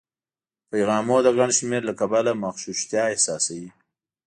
پیغامونو د ګڼ شمېر له کبله مغشوشتیا احساسوي